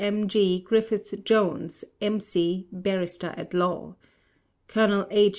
M. G. Griffith Jones, M.C., Barrister at Law Colonel H.